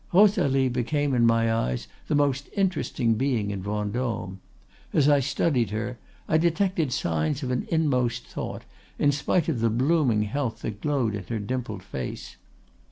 "Rosalie became in my eyes the most interesting being in Vendôme. As I studied her, I detected signs of an inmost thought, in spite of the blooming health that glowed in her dimpled face.